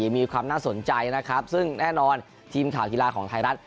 มีความน่าสนใจนะครับซึ่งแน่นอนทีมข่าวกีฬาของไทยรัฐ